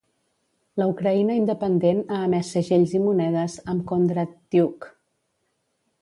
La Ucraïna independent ha emès segells i monedes amb Kondratyuk.